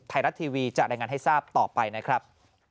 ไทยรัตน์ทีวีจะแนะนำให้ทราบต่อไปนะครับ